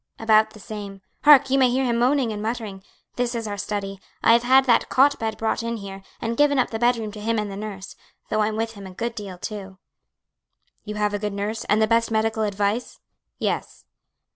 "About the same. Hark! you may hear him moaning and muttering. This is our study. I have had that cot bed brought in here, and given up the bedroom to him and the nurse; though I'm with him a good deal too." "You have a good nurse, and the best medical advice?" "Yes."